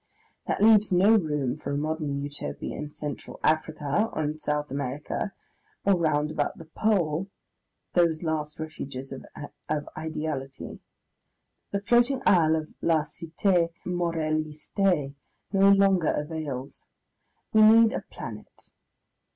That leaves no room for a modern Utopia in Central Africa, or in South America, or round about the pole, those last refuges of ideality. The floating isle of La Cite Morellyste no longer avails. We need a planet.